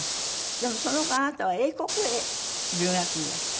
でもその後あなたは英国へ留学にいらした？